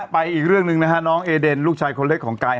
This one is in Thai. ไปอีกเรื่องหนึ่งนะครับน้องเอเดชร์ลูกชายคนเล็ก